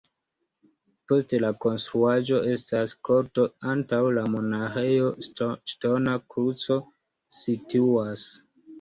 Post la konstruaĵo estas korto, antaŭ la monaĥejo ŝtona kruco situas.